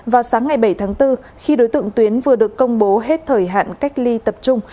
vào sáng ngày bảy tháng bốn khi đối tượng tuyến vừa được công bố hết thời hạn cách ly tập trung